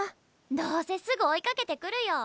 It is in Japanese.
どうせすぐ追いかけてくるよ。